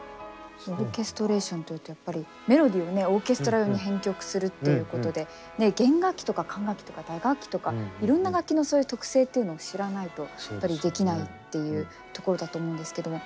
オーケストレーションというとやっぱりメロディーをねオーケストラ用に編曲するっていうことで弦楽器とか管楽器とか打楽器とかいろんな楽器のそういう特性っていうのを知らないとやっぱりできないっていうところだと思うんですけども。